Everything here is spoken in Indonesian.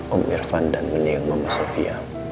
om irfan dan meninggal mama sofia